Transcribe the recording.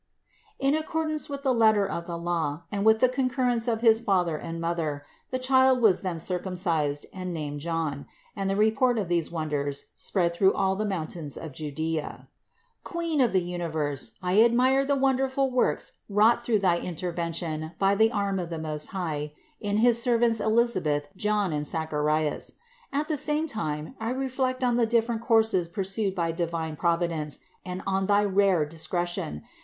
In ac cordance with the letter of the law, and with the concur rence of his father and mother, the child was then cir cumcised and named John ; and the report of these won ders spread through all the mountains of Judea. 298. Queen of the universe, I admire the wonderful works wrought through thy intervention by the arm of 240 CITY OF GOD the Lord in his servants Elisabeth, John and Zacharias. At the same time I reflect on the different courses pur sued by divine Providence and on thy rare discretion.